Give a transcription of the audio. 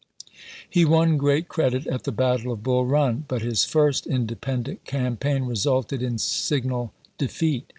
He won great credit at the battle of Bull Run, but his first independent campaign resulted in sig nal defeat.